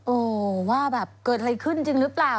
โอ้ว่าแบบเกิดอะไรขึ้นจริงหรือเปล่า